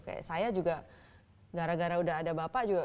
kayak saya juga gara gara udah ada bapak juga